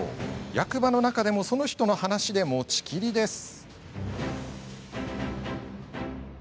役場の中でもその人の話で持ちきりです。